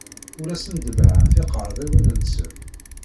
Ur asen-ḍebbɛeɣ tikarḍiwin-nsen.